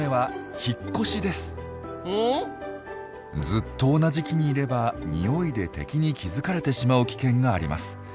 ずっと同じ木にいれば匂いで敵に気付かれてしまう危険があります。